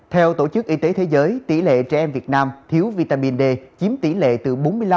theo tổ chức y tế thế giới tỷ lệ trẻ em việt nam thiếu vitamin d chiếm tỷ lệ từ bốn mươi năm năm mươi năm